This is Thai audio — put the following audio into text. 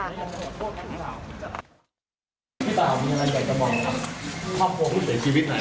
เป็นการเดินทางเดินทาง